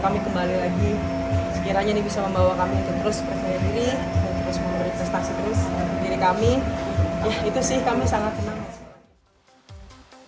kami kembali lagi sekiranya ini bisa membawa kami untuk terus percaya diri dan terus memberi prestasi terus diri kami ya itu sih kami sangat senang